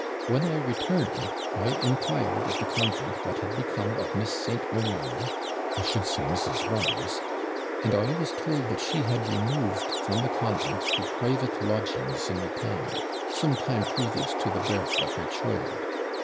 When I returned, I inquired at the convent what had become of Miss St. Omar I should say Mrs. Reynolds; and I was told that she had removed from the convent to private lodgings in the town, some time previous to the birth of her child.